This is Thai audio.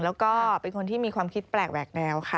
แล้วก็เป็นคนที่มีความคิดแปลกแหวกแนวค่ะ